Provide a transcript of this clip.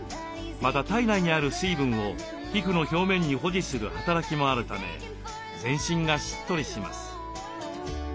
また体内にある水分を皮膚の表面に保持する働きもあるため全身がしっとりします。